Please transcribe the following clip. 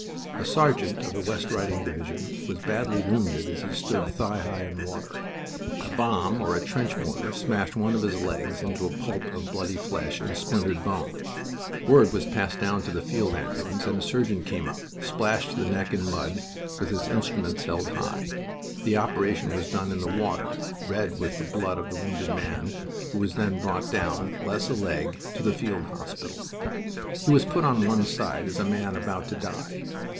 A sergeant of the West Riding Division was badly wounded as he stood thigh high in water. A bomb or a trench mortar smashed one of his legs into a pulp of bloody flesh and splintered bone. Word was passed down to the field ambulance, and a surgeon came up, splashed to the neck in mud, with his instruments held high. The operation was done in the water, red with the blood of the wounded man, who was then brought down, less a leg, to the field hospital. He was put on one side as a man about to die...